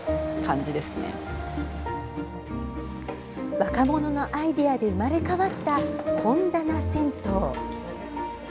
若者のアイデアで生まれ変わった本棚銭湯。